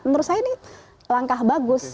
menurut saya ini langkah bagus